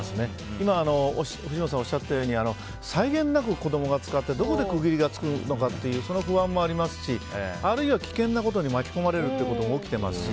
今、藤本さんおっしゃったように際限なく子供が使ってどこで区切りがつくのかその不安もありますしあるいは、危険なことに巻き込まれるということも起きていますし。